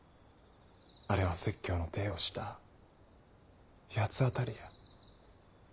あれは説教のていをした八つ当たりや。